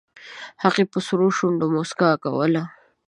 هغې په سرو شونډو موسکا کوله